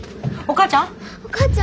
お母ちゃん。